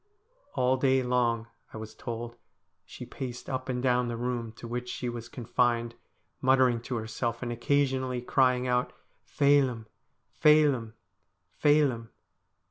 All day long, I was told, she paced up and down the room to which she was confined, muttering to herself, and occasionally crying out ' Phelim, Phelim, Phelim.'